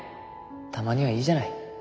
たまにはいいじゃない。